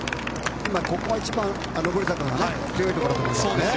ここが一番上り坂が強いところなんですよね。